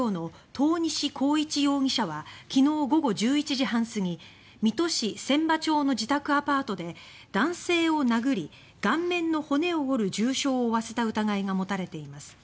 遠西幸一容疑者は昨日午後１１時半すぎ水戸市千波町の自宅アパートで男性を殴り顔面の骨を折る重傷を負わせた疑いが持たれています。